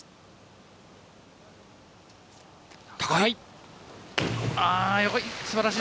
高い。